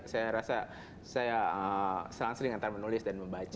saya rasa saya selang seling antara menulis dan membaca atau bisa